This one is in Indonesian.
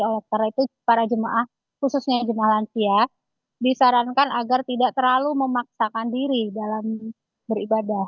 oleh karena itu para jemaah khususnya jemaah lansia disarankan agar tidak terlalu memaksakan diri dalam beribadah